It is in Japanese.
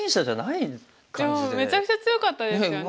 いやめちゃくちゃ強かったですよね。